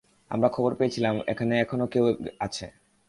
আমরা খবর পেয়েছিলাম, এখানে এখনও কেউ আছে!